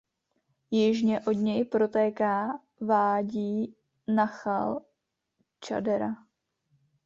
Jižně od něj protéká vádí Nachal Chadera.